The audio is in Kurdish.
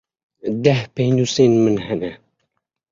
Deh pênûsên min hene.